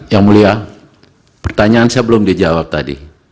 yang mulia pertanyaan saya belum dijawab tadi